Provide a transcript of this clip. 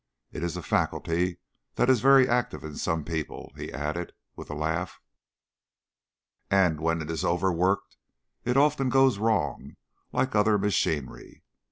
It is a faculty that is very active in some people," he added with a laugh, "and when it is overworked it often goes wrong, like any other machinery.